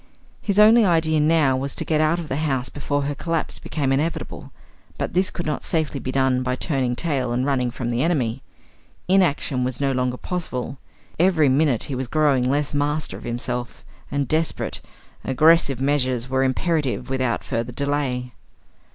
His only idea now was to get out of the house before her collapse became inevitable; but this could not safely be done by turning tail and running from the enemy. Inaction was no longer possible; every minute he was growing less master of himself, and desperate, aggressive measures were imperative without further delay.